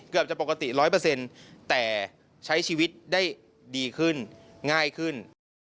เกือบจะปกติ๑๐๐แต่ใช้ชีวิตได้ดีขึ้นง่ายขึ้น